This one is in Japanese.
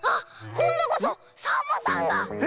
こんどこそサボさんが！